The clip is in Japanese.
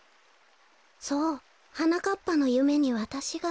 そうはなかっぱのゆめにわたしが。